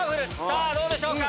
さぁどうでしょうか？